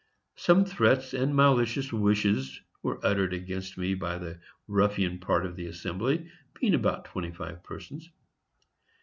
Some threats and malicious wishes were uttered against me by the ruffian part of the assembly, being about twenty five persons.